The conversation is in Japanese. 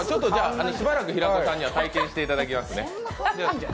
しばらく平子さんには体験していただきますね。